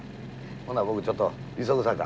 ほな僕ちょっと急ぐさか。